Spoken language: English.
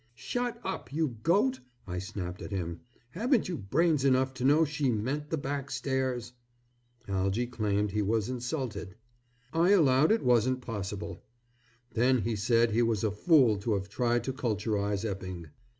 "Shut up, you Goat," I snapped at him. "Haven't you brains enough to know she meant the back stairs!" Algy claimed he was insulted. I allowed it wasn't possible. Then he said he was a fool to have tried to culturize Epping.